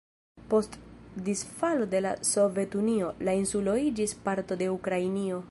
Post disfalo de la Sovetunio, la insulo iĝis parto de Ukrainio.